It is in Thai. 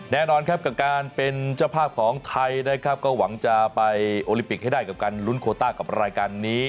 แน่นอนครับกับการเป็นเจ้าภาพของไทยนะครับก็หวังจะไปโอลิปิกให้ได้กับการลุ้นโคต้ากับรายการนี้